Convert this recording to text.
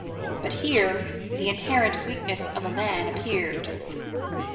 But here the inherent weakness of the man appeared.